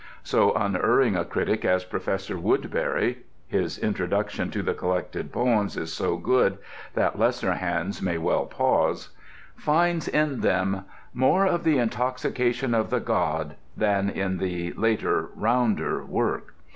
So unerring a critic as Professor Woodberry (his introduction to the "Collected Poems" is so good that lesser hands may well pause) finds in them "more of the intoxication of the god" than in the later rounder work.